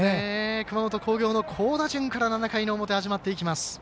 熊本工業の好打順から７回の表始まっていきます。